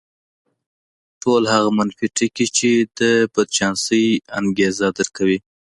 ټول هغه منفي ټکي چې د بدچانسۍ انګېزه درکوي.